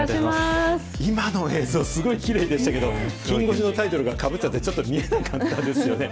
今の映像、すごいきれいでしたけど、きん５時のタイトルがかぶっちゃって、ちょっと見えなかったですよね。